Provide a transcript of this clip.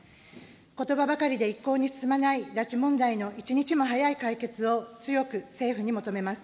ことばばかりで一向に進まない拉致問題の一日も早い解決を強く政府に求めます。